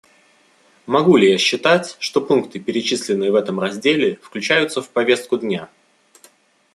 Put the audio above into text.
Могу ли я считать, что пункты, перечисленные в этом разделе, включаются в повестку дня?